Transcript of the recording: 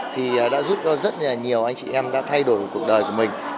thì đã giúp cho rất là nhiều anh chị em đã thay đổi cuộc đời của mình